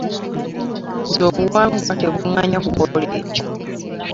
Nze obuwangwa tebuŋŋanya kukola ekyo.